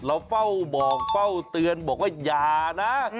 เราเฝ้าบอกเฝ้าเตือนบอกว่าอย่านะ